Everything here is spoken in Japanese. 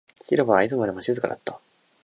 広場はいつもよりも静かだった